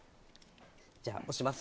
じゃあ、押します。